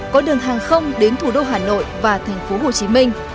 có đường hàng không đến thủ đô hà nội và thành phố hồ chí minh